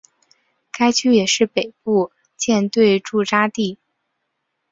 该区也是北海舰队驻扎地。